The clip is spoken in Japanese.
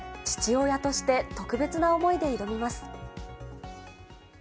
父親として特別な思いで挑みます。